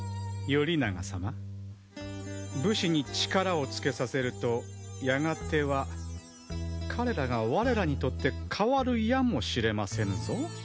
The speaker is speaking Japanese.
頼長様武士に力をつけさせるとやがては彼らが我らに取って代わるやもしれませぬぞ。